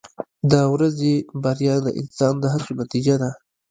• د ورځې بریا د انسان د هڅو نتیجه ده.